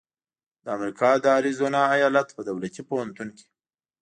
د امریکا د اریزونا ایالت په دولتي پوهنتون کې